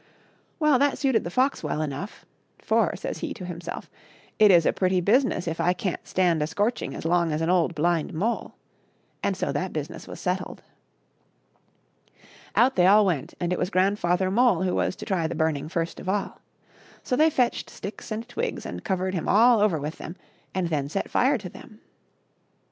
Well, that suited the fox well enough, " for," says he to himself, " it is a pretty business if I can't stand a scorching as long as an old blind mole ;*' and so that business was settled. Out they all went, and it was Grandfather Mole who was to try the burning first of all. So they fetched sticks and twigs and covered him all over with them, and then set fire to them.